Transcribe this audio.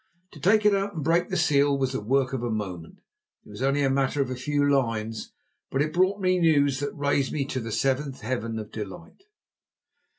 To take it out and break the seal was the work of a moment. It was only a matter of a few lines, but it brought me news that raised me to the seventh heaven of delight.